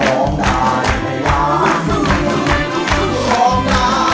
ร้องได้ให้ล้าน